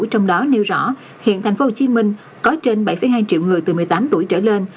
trong đó nêu rõ hiện tp hcm có trên bảy hai triệu người từ một mươi tám tuổi trở lên